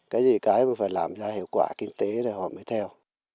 cái gì cái mà phải làm ra hiệu quả kinh tế là họ mới theo